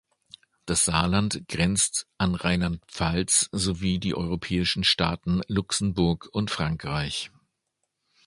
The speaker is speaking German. Das Saarland grenzt an Rheinland-Pfalz sowie die europäischen Staaten Luxemburg und Frankreich.